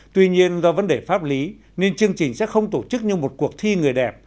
tuy nhiên do vấn đề pháp lý nên chương trình sẽ không tổ chức như một cuộc thi người đẹp